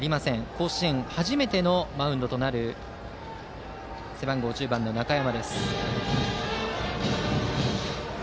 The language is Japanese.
甲子園初めてのマウンドとなる背番号１０番の中山。